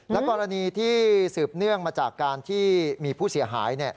และกรณีที่สืบเนื่องมาจากการที่มีผู้เสียหาย